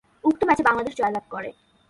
উক্ত ম্যাচে বাংলাদেশ জয়লাভ করে।